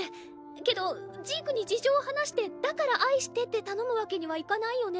けどジークに事情を話して「だから愛して」って頼むわけにはいかないよね。